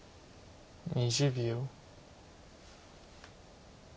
２０秒。